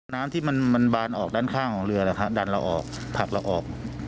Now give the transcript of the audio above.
น้ำที่มันบานออกด้านข้างของเรือดันเราออกผลักเราออก